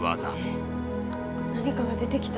何かが出てきた。